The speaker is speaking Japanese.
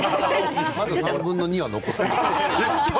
あと３分の２は残っています。